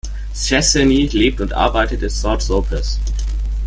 Szczesny lebt und arbeitet in Saint-Tropez.